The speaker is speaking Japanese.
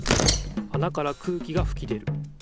あなから空気がふき出る。